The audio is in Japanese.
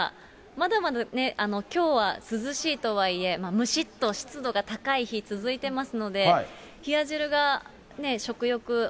まだまだね、きょうは涼しいとはいえ、むしっと湿度が高い日、続いていますので、冷や汁が食欲。